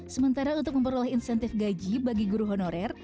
sementara untuk memperoleh insentif gaji bagi guru honorer